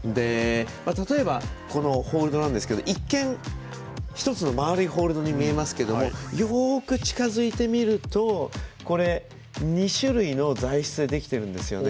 例えば、このホールドなんですが一見、１つの丸いホールドに見えますけどよく近づいて見ると２種類の材質でできているんですよね。